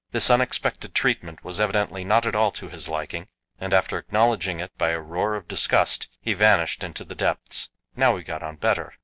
This unexpected treatment was evidently not at all to his liking, and after acknowledging it by a roar of disgust, he vanished into the depths. Now we got on better.